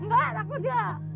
bapak takut ya